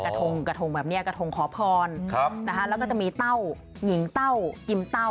กระทงกระทงแบบเนี้ยกระทงขอพรครับนะฮะแล้วก็จะมีเต้าหญิงเต้า